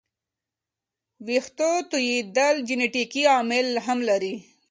ویښتو توېیدل جنیټیکي عوامل هم لري.